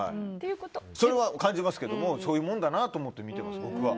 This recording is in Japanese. それは感じますけどそういうもんだなと思って見てます、僕は。